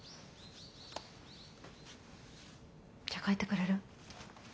じゃあ帰ってくれる？